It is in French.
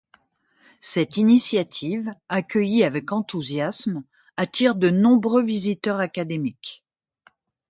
Cette initiative, accueillie avec enthousiasme, attire de nombreux visiteurs académiques.